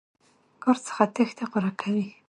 کار څخه تېښته غوره کوي.